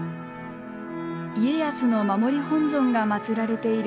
家康の守り本尊が祀られている